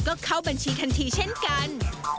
ก็เข้าบัญชีทันทีเช่นกัน